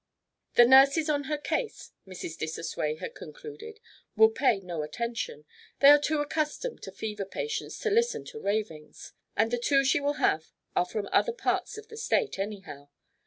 "The nurses on her case," Mrs. Dissosway had concluded, "will pay no attention. They are too accustomed to fever patients to listen to ravings, and the two she will have are from other parts of the State, anyhow.